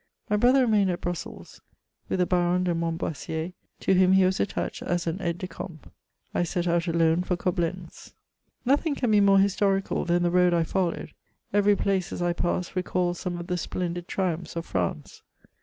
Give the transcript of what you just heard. My brother remained at Brussels with the Baron de Mont boissier, to whom he was attached as an aide de camp ; I set out alone for C!oblentK. Nothing can be more historical than the road I followed ; every place as I passed recalled some of the splendid triuraphs of France.